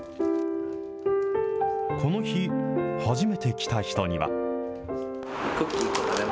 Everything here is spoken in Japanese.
この日、初めて来た人には。